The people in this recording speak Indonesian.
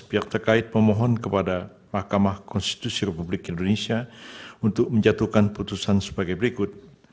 pihak terkait memohon kepada mahkamah konstitusi republik indonesia untuk menjatuhkan putusan sebagai berikut